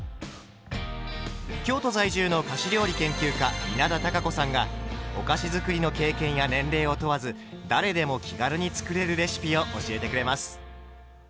京都在住の菓子料理研究家稲田多佳子さんがお菓子づくりの経験や年齢を問わず誰でも気軽に作れるレシピを教えてくれます。